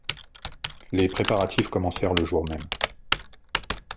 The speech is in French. Les préparatifs commencèrent le jour même.